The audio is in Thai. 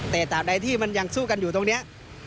แต่ตามใดที่มันยังสู้กันอยู่ตรงนี้